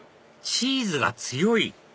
チーズが強い？